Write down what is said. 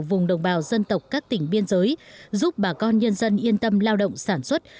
vùng đồng bào dân tộc các tỉnh biên giới giúp bà con nhân dân yên tâm lao động sản xuất